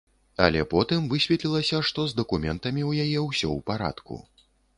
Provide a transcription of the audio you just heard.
Але потым высветлілася, што з дакументамі ў яе ўсё ў парадку.